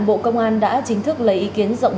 bộ công an đã chính thức lấy ý kiến rộng